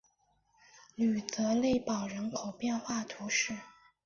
吕泽勒堡人口变化图示